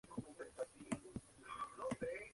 Otorgó al episodio una nota de nueve sobre diez.